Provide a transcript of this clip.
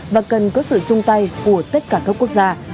và cần có sự chung tay của tất cả các quốc gia